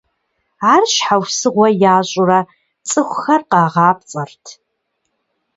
Ар щхьэусыгъуэ ящӏурэ цӏыхухэр къагъапцӏэрт.